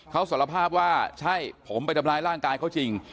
เขาสารภาพว่าใช่ผมไปทำร้ายร่างกายเขาจริง